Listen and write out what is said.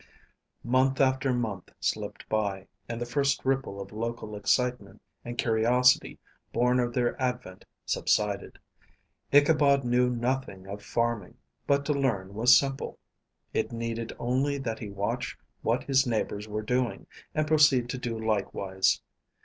Month after month slipped by, and the first ripple of local excitement and curiosity born of their advent subsided. Ichabod knew nothing of farming, but to learn was simple. It needed only that he watch what his neighbors were doing, and proceed to do likewise.